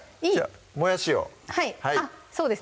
もやしをはいそうですね